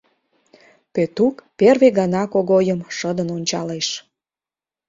Пӧтук первый гана Когойым шыдын ончалеш.